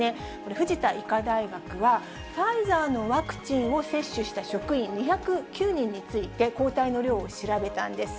藤田医科大学は、ファイザーのワクチンを接種した職員２０９人について、抗体の量を調べたんです。